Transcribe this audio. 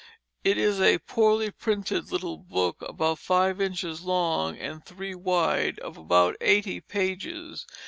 It is a poorly printed little book about five inches long and three wide, of about eighty pages.